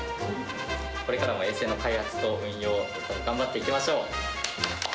これからも衛星の開発と運用を頑張っていきましょう。